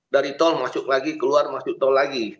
dari tol masuk lagi keluar masuk tol lagi